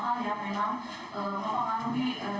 kami juga akan mencoba untuk mencoba